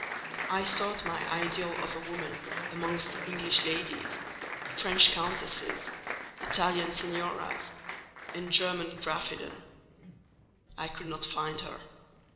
I sought my ideal of a woman amongst English ladies, French countesses, Italian signoras, and German gräfinnen. I could not find her.